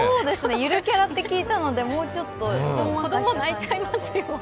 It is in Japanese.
ゆるキャラって聞いたのでもうちょっと子供、泣いちゃいますよ。